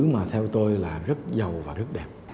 mà theo tôi là rất giàu và rất đẹp